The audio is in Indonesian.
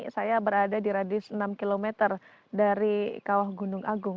saya berada di radius enam km dari kawah gunung agung